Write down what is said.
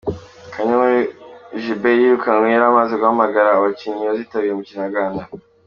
Kanyankore Gilbert yirukanwe yari amaze guhamagara abakinnyi bazitabira umukino wa Ghana.